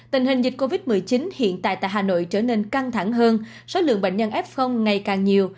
tình hình dịch covid một mươi chín hiện tại tại hà nội trở nên căng thẳng hơn số lượng bệnh nhân f ngày càng nhiều